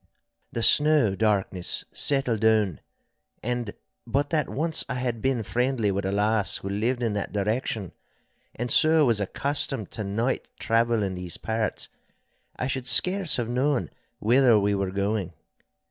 The snow darkness settled down, and, but that once I had been friendly with a lass who lived in that direction, and so was accustomed to night travel in these parts, I should scarce have known whither we were going.